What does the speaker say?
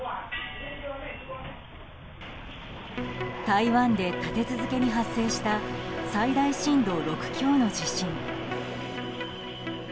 台湾で立て続けに発生した最大震度６強の地震。